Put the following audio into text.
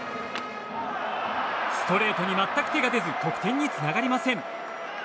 ストレートに全く手が出ず得点につながりません。